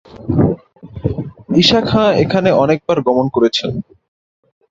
ঈশা খাঁ এখানে অনেকবার গমন করেছেন।